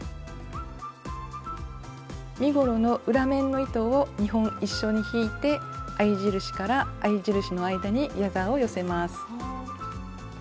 身ごろの裏面の糸を２本一緒に引いて合い印から合い印の間にギャザーを寄せます。